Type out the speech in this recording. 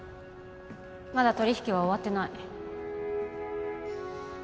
まだ取り引きは終わってない